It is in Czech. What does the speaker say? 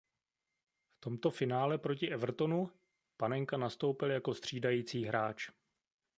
V tomto finále proti Evertonu Panenka nastoupil jako střídající hráč.